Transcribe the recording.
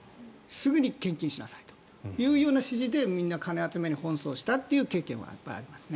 すぐに献金しなさいというような指示でみんな金集めに奔走したという経験はあります。